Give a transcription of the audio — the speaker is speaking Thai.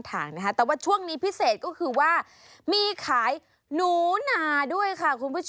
แต่ว่าช่วงนี้พิเศษก็คือว่ามีขายหนูนาด้วยค่ะคุณผู้ชม